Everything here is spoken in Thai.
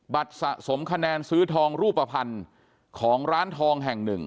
สะสมคะแนนซื้อทองรูปภัณฑ์ของร้านทองแห่งหนึ่ง